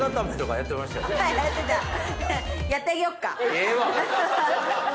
ええわ！